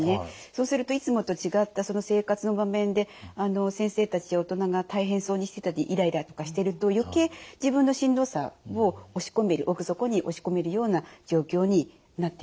そうするといつもと違った生活の場面で先生たちや大人が大変そうにしてたりイライラとかしてると余計自分のしんどさを押し込める奥底に押し込めるような状況になってきます。